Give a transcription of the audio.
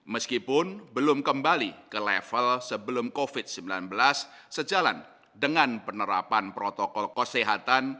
meskipun belum kembali ke level sebelum covid sembilan belas sejalan dengan penerapan protokol kesehatan